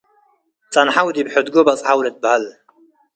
ጸንሐው ዲብ ሕድጎ በጽሐው ልትበሀል።